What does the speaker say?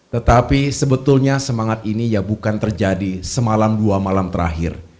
tetapi sebetulnya semangat ini ya bukan terjadi semalam dua malam terakhir